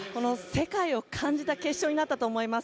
世界を感じた決勝になったと思います。